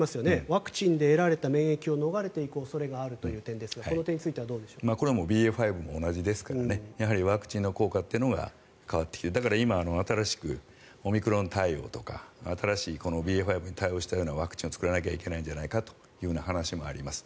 ワクチンで得られた免疫を逃れていく恐れがあるという点ですがＢＡ．５も同じですからねやはりワクチンの効果が変わってきて今、新しくオミクロン対応とか新しいＢＡ．５に対応したワクチンを作らなきゃいけないという話もあります。